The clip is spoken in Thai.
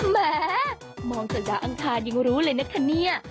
แม้มองจากดาวอังคารยังรู้เลยนะคะเนี่ย